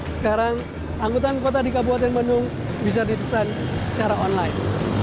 sekarang angkutan kota di kabupaten bandung bisa dipesan secara online